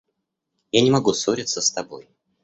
Я не могу ссориться с тобой.